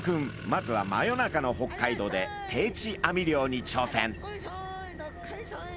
まずは真夜中の北海道で定置網漁にちょうせん。